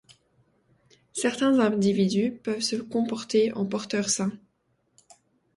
Certains individus peuvent se comporter en porteurs sains.